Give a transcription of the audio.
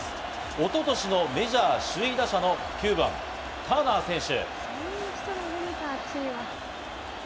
一昨年のメジャー首位打者の９番・ターナー選手。